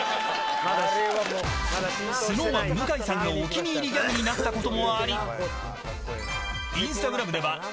ＳｎｏｗＭａｎ向井さんのお気に入りギャグになったこともありインスタグラムでは＃